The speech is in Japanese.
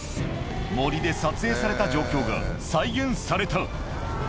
森で撮影された状況が再現された。